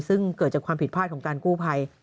ซึ่งเกิดจากความผิดพลาดของการกู้ภัย